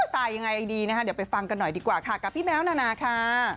ตายยังไงดีนะคะเดี๋ยวไปฟังกันหน่อยดีกว่าค่ะกับพี่แมวนานาค่ะ